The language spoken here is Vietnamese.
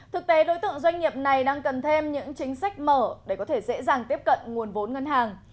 thực tế đối tượng doanh nghiệp này đang cần thêm những chính sách mở để có thể dễ dàng tiếp cận nguồn vốn ngân hàng